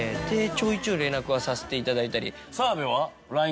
ちょいちょい連絡はさせていただいたり。